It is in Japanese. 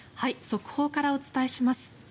速報からお伝えします。